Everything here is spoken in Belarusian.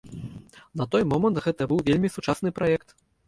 На той момант гэта быў вельмі сучасны праект.